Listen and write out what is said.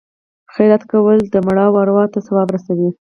خیرات کول د مړو ارواو ته ثواب رسوي.